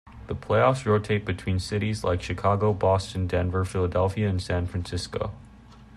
The playoffs rotate between cities like Chicago, Boston, Denver, Philadelphia and San Francisco.